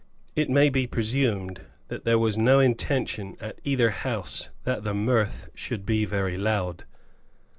It may be presumed that there was no intention at either house that the mirth should be very loud.